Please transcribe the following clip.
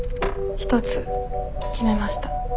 一つ決めました。